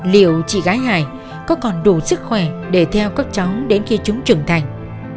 liệu chị gái hải có còn đủ sức khỏe để theo các cháu đến khi chúng trưởng thành